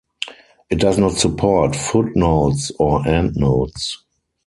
It does not support footnotes or endnotes.